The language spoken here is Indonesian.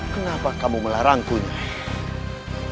kenapa kamu melarangku nyai